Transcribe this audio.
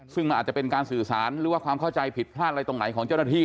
ซึ่งมันอาจจะเป็นการสื่อสารหรือว่าความเข้าใจผิดพลาดอะไรตรงไหนของเจ้าหน้าที่